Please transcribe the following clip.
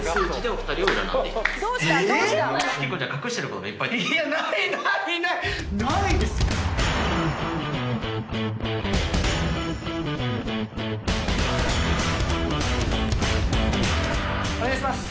お願いします。